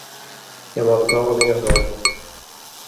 Hja moat it no allinnich dwaan.